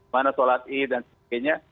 mana solat ini dan sebagainya